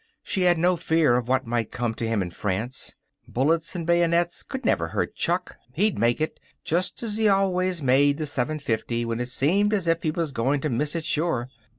She had no fear of what might come to him in France. Bullets and bayonets would never hurt Chuck. He'd make it, just as he always made the 7:50 when it seemed as if he was going to miss it sure.